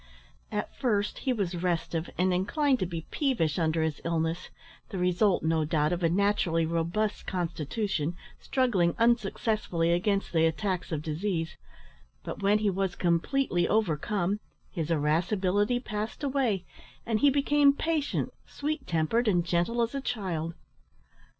At first he was restive, and inclined to be peevish under his illness, the result, no doubt, of a naturally robust constitution struggling unsuccessfully against the attacks of disease, but when he was completely overcome, his irascibility passed away, and he became patient, sweet tempered, and gentle as a child.